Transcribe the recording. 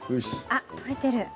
あっ撮れてる。